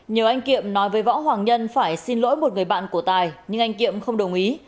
nhờ anh kiệm nói với võ hoàng nhân phải xin lỗi một người bạn của tài nhưng anh kiệm không đồng ý